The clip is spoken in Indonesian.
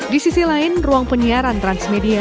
di sisi lain ruang penyiaran transmedia